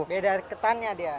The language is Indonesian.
beda ketannya dia